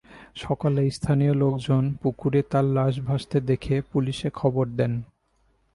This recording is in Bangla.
সকালে স্থানীয় লোকজন পুকুরে তাঁর লাশ ভাসতে দেখে পুলিশে খবর দেন।